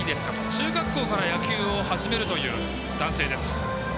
中学校から野球を始めるという男性です。